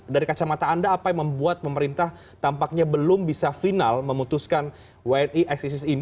dari kacamata anda apa yang membuat pemerintah tampaknya belum bisa final memutuskan wni eksisis ini